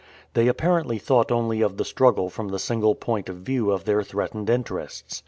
They apparently thought only of the struggle from the single point of view of their threatened interests.